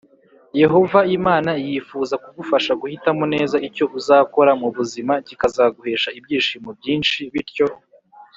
Yehova imana yifuza kugufasha guhitamo neza icyo uzakora mu buzima kikazaguhesha ibyishimo byinshi bityo